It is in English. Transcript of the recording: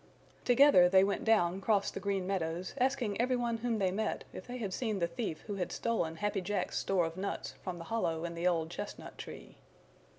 Together they went down cross the Green Meadows asking every one whom they met if they had seen the thief who had stolen Happy Jack's store of nuts from the hollow in the old chestnut tree.